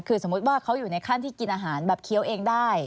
คือสมมุติว่าเขาอยู่ในขั้นที่กินอาหารแบบเคี้ยวเองได้